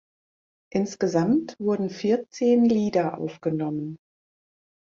Insgesamt wurden vierzehn Lieder aufgenommen.